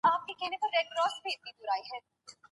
که متلونه وي نو تجربه نه ورکېږي.